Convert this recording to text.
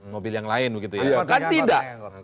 mobil yang lain begitu ya kan tidak